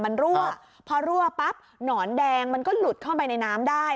มันรั่วพอรั่วปั๊บหนอนแดงมันก็หลุดเข้าไปในน้ำได้